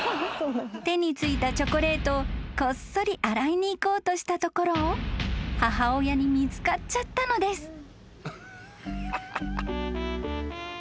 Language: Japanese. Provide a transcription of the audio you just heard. ［手に付いたチョコレートをこっそり洗いに行こうとしたところを母親に見つかっちゃったのです］